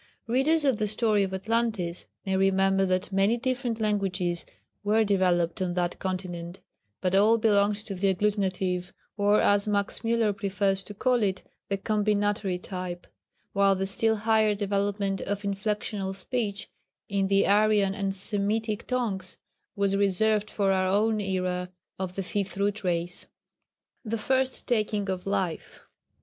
Readers of the Story of Atlantis may remember that many different languages were developed on that continent, but all belonged to the agglutinative, or, as Max Müller prefers to call it, the combinatory type, while the still higher development of inflectional speech, in the Aryan and Semitic tongues, was reserved for our own era of the Fifth Root Race. [Sidenote: The First Taking of Life.